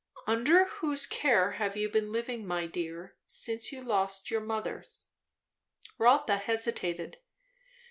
"Under whose care have you been living, my dear, since you lost your mother's?" Rotha hesitated.